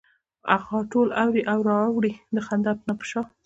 غاټول اوړي او را اوړي د خندا نه په شا